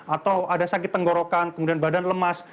atau ada sakit tenggorokan kemudian badan lemas